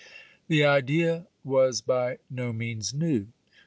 The idea was by no means new.